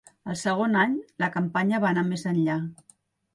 El segon any, la campanya va anar més enllà.